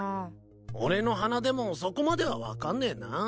俺の鼻でもそこまでは分かんねえな。